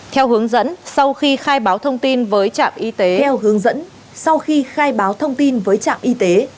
theo hướng dẫn sau khi khai báo thông tin với trạm y tế